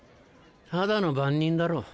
ただの番人だろ。